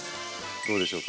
どうでしょうか